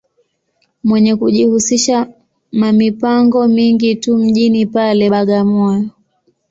Mwenye kujihusisha ma mipango mingi tu mjini pale, Bagamoyo.